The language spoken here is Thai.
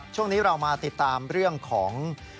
ช่วงนี้เรามาติดตามเรื่องของ